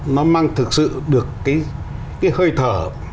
nó mang thực sự được cái hơi thở